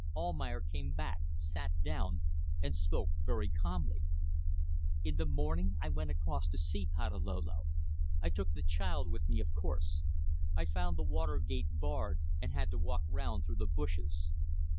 Almayer came back, sat down, and spoke very calmly "In the morning I went across to see Patalolo. I took the child with me, of course. I found the water gate barred, and had to walk round through the bushes.